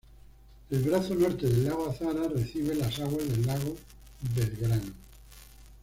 El brazo norte del lago Azara recibe las aguas del lago Belgrano.